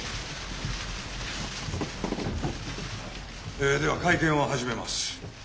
えでは会見を始めます。